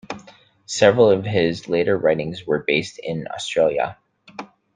Several of his later writings were based in Australia.